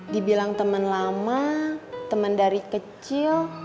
dibilang temen lama temen dari kecil